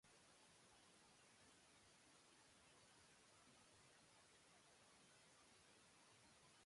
দলটি মল ছেড়ে চলে যায়, কেউ একে অপরের সাথে কথা বলে না।